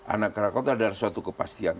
anak krakato adalah suatu kepastian